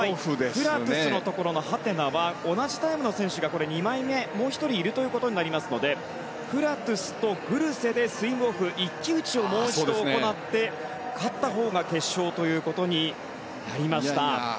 フラトゥスのところのハテナは同じタイムの選手が２枚目、もう１人いるということになりますのでフラトゥスとグルセでスイムオフ、一騎打ちを行って勝ったほうが決勝ということになりました。